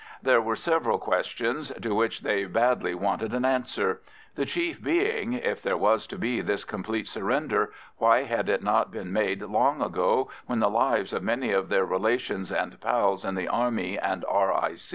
There were several questions to which they badly wanted an answer; the chief being, if there was to be this complete surrender, why had it not been made long ago, when the lives of many of their relations and pals in the Army and R.I.